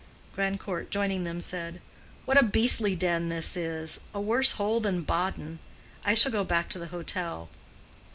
Grandcourt joining them said, "What a beastly den this is!—a worse hole than Baden. I shall go back to the hotel."